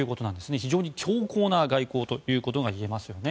非常に強硬な外交ということがいえますよね。